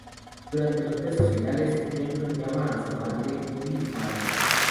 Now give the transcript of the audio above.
Durante los versos finales, Johnson llama a su amante, Willie Mae.